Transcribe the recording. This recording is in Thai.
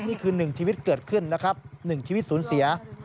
นี่คือหนึ่งชีวิตเกิดขึ้นนะครับหนึ่งชีวิตสูญเสีย